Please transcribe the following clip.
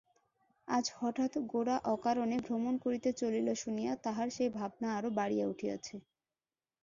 আজ হঠাৎ গোরা অকারণে ভ্রমণ করিতে চলিল শুনিয়া তাঁহার সেই ভাবনা আরো বাড়িয়া উঠিয়াছে।